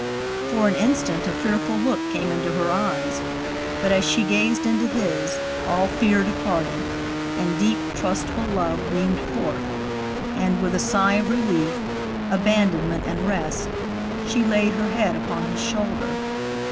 For an instant a fearful look came in her eyes, but as she gazed into his, all fear departed, and deep, trustful love beamed forth; and, with a sigh of relief, abandonment and rest, she laid her head upon his shoulder.